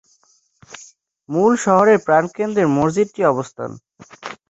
মূল শহরের প্রাণকেন্দ্রে মসজিদটির অবস্থান।